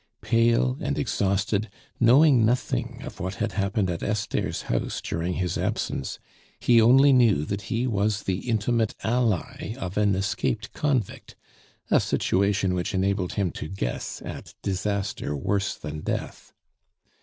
Pale and exhausted, knowing nothing of what had happened at Esther's house during his absence, he only knew that he was the intimate ally of an escaped convict, a situation which enabled him to guess at disaster worse than death.